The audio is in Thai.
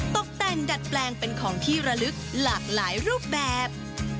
ตกแต่งดัดแปลงเป็นของที่ระลึกหลากหลายรูปแบบ